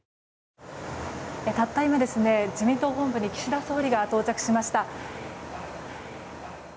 たった今、自民党本部に岸田総理が到着しました。